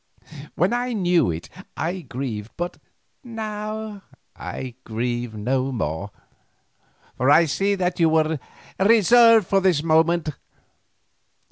When I knew it I grieved, but now I grieve no more, for I see that you were reserved for this moment.